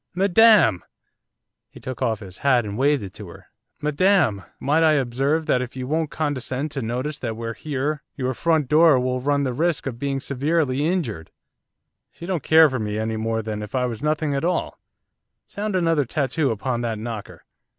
Madam!' He took off his hat and waved it to her. 'Madam! might I observe that if you won't condescend to notice that we're here your front door will run the risk of being severely injured! She don't care for me any more than if I was nothing at all, sound another tattoo upon that knocker.